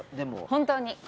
本当に。